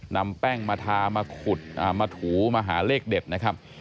นำแป้งมาทามาขุดมาถูมาหาเลขเด็ดนะครับ